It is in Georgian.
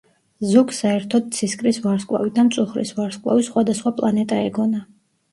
ზოგს საერთოდ ცისკრის ვარსკვლავი და მწუხრის ვარსკვლავი სხვადასხვა პლანეტა ეგონა.